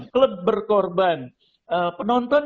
klub berkorban penonton